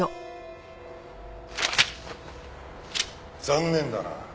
残念だな。